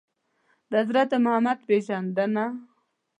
د حضرت محمد ﷺ پېژندنه